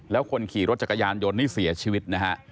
แล้วคนขี่รถจักรยานยนต์นี่เสียชีวิตนะฮะ